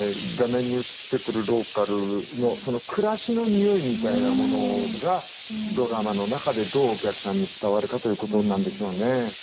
画面に映ってくるローカルのその暮らしのにおいみたいなものがドラマの中でどうお客さんに伝わるかということなんでしょうね。